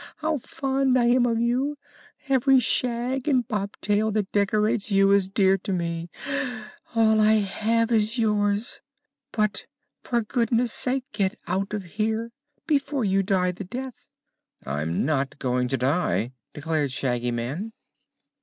How fond I am of you! Every shag and bobtail that decorates you is dear to me all I have is yours! But for goodness' sake get out of here before you die the death." "I'm not going to die," declared Shaggy Man.